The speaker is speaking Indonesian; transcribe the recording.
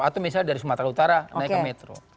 atau misalnya dari sumatera utara naik ke metro